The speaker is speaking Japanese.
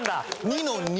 ２の２。